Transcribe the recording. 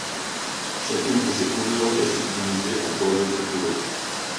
Chacune de ses couleurs est subdivisée en trois autres couleurs.